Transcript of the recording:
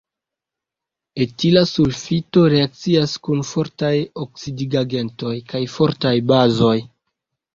Etila sulfito reakcias kun fortaj oksidigagentoj kaj fortaj bazoj.